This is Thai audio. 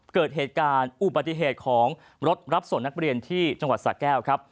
เกิดเหตุการณ์อุบัติเหตุของรถรับส่งนักเรียนที่จังหวัดสะแก้วครับ